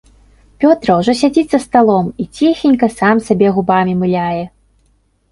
Пётра ўжо сядзіць за сталом і ціхенька сам сабе губамі мыляе.